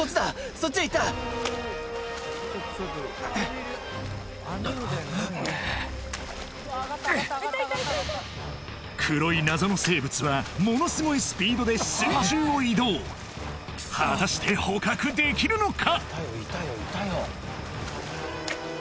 そっちへ行った黒い謎の生物はものすごいスピードで水中を移動果たして捕獲できるのか？